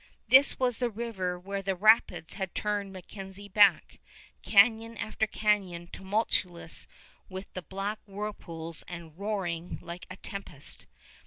This was the river where the rapids had turned MacKenzie back, canyon after canyon tumultuous with the black whirlpools and roaring like a tempest.